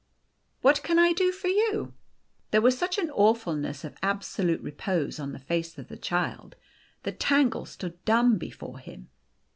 " What can I do for you ?" There was such an awful ness of absolute repose on the face of the Child that Tangle stood dumb before him.